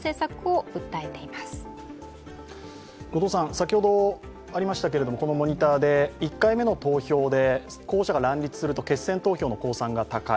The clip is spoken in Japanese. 先ほどありましたけれども、このモニターで１回目の投票で、候補者が乱立すると決選投票の公算が高い。